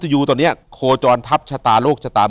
อยู่ที่แม่ศรีวิรัยิลครับ